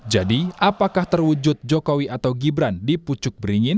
jadi apakah terwujud jokowi atau gibran di pucuk beringin